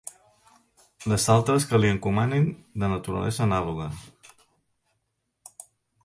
Les altres que li encomanin de naturalesa anàloga.